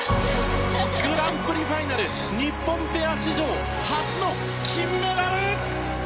グランプリファイナル日本ペア史上初の金メダル。